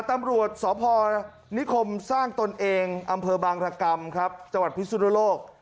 ตำรวจสพนิคมสร้างตนเองอำเภอบางรกรรมจพิศุโนโลก